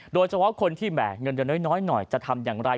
โดยเฉพาะคนที่แหม่งเงินได้น้อยจะทำอย่างไร